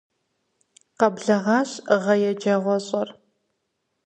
Къэблэгъащ гъэ еджэгъуэщIэр.